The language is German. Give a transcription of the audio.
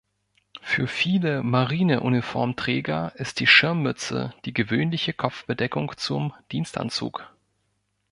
Für viele Marineuniformträger ist die Schirmmütze die gewöhnliche Kopfbedeckung zum Dienstanzug.